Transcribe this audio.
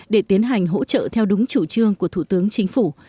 để tiến hành hỗ trợ theo đúng chủ trương của thủ tướng chính phủ